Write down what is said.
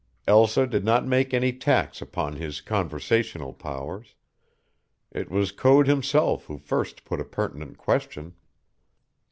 Elsa did not make any tax upon his conversational powers. It was Code himself who first put a pertinent question.